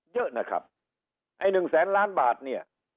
เยอะนะครับไอ้หนึ่งแสนล้านบาทเนี่ย